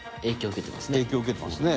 伊達：影響受けてますね。